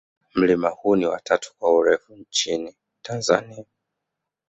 mlima huu ni wa tatu kwa urefu nchini tanzania